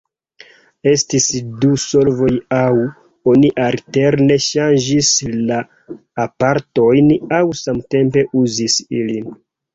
Estis du solvoj, aŭ oni alterne ŝanĝis la aparatojn, aŭ samtempe uzis ilin.